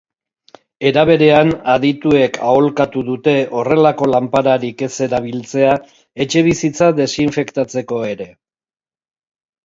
Era berean, adituek aholkatu dute horrelako lanpararik ez erabiltzea etxebizitza desinfektatzeko ere.